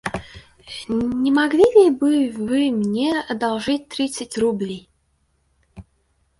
Не могли ли бы вы мне одолжить тридцать рублей?